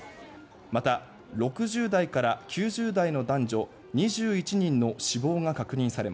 また６０代から９０代の男女２１人の死亡が確認されました。